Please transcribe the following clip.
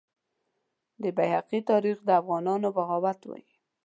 د بیهقي تاریخ د افغانانو بغاوت وایي.